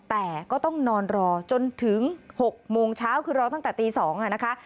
แต่ก็ต้องนอนรอจนถึง๖โมงเช้าคือรอตั้งแต่ตี๒นะคะ